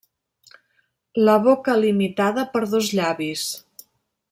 La boca limitada per dos llavis.